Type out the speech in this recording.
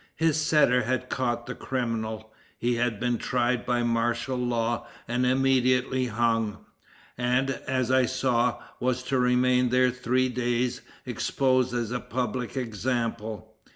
His setter had caught the criminal, he had been tried by martial law and immediately hung; and, as I saw, was to remain three days exposed as a public example.